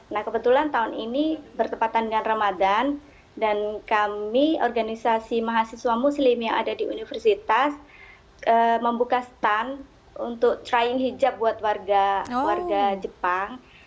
nah kebetulan tahun ini bertepatan dengan ramadan dan kami organisasi mahasiswa muslim yang ada di universitas membuka stand untuk traying hijab buat warga jepang